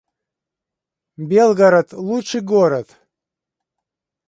Белгород — лучший город